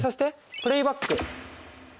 プレイバック。